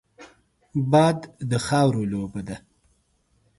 باد د خاورو لوبه ده